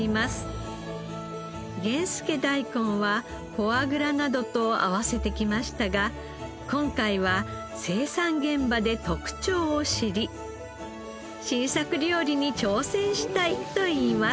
源助だいこんはフォアグラなどと合わせてきましたが今回は生産現場で特徴を知り新作料理に挑戦したいといいます。